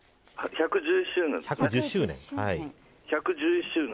１１１周年です。